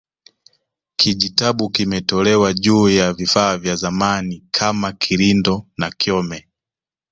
Kijitabu kimetolewa juu ya vifaa vya zamani kama kirindo na kyome